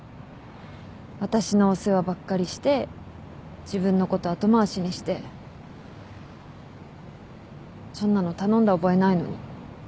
私のお世話ばっかりして自分のこと後回しにしてそんなの頼んだ覚えないのに。